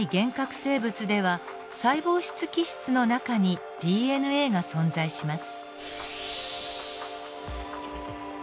生物では細胞質基質の中にＤＮＡが存在します。